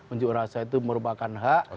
unjuk rasa itu merupakan hak